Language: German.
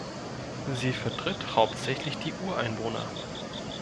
Sie vertritt hauptsächlich die Ureinwohner.